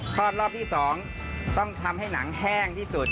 อดรอบที่๒ต้องทำให้หนังแห้งที่สุด